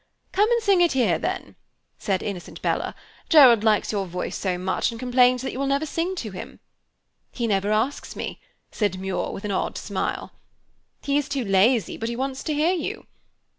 "'Come and sing it there then,' said innocent Bella. 'Gerald likes your voice so much, and complains that you will never sing to him.' "'He never asks me,' said Muir, with an odd smile. "'He is too lazy, but he wants to hear you.